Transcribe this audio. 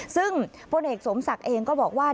ซึ่งพลเอกสมศักดิ์เองก็บอกว่า